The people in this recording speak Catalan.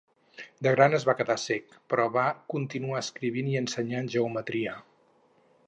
De gran es va quedar cec, però va continuar escrivint i ensenyant geometria.